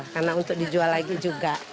karena untuk dijual lagi juga